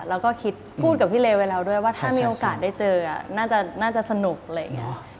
แล้วก็คิดพูดกับพี่เลไว้แล้วด้วยว่าถ้ามีโอกาสได้เจอน่าจะสนุกอะไรอย่างนี้